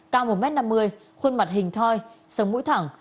cao một m năm mươi khuôn mặt hình thoi sống mũi thẳng